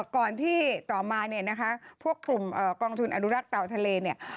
ก่อนที่ต่อมาพวกกลุ่มกองทุนอนุรักษ์เต่าทะเล